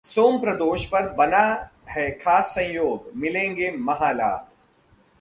सोमप्रदोष पर बना है खास संयोग, मिलेंगे महालाभ